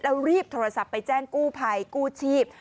แล้วรีบโทรศัพท์ไปแจ้งกู้ภัยกู้ชีพ